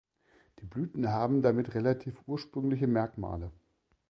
Die Blüten haben damit relativ ursprüngliche Merkmale.